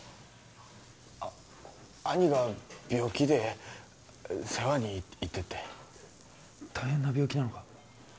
あ兄が病気で世話に行ってて大変な病気なのか？